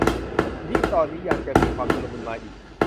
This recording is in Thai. ยิ่งตอนนี้ยังจะมีความชุลมุนมาอีก